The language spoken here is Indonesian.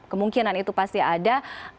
kemungkinan itu pasti ada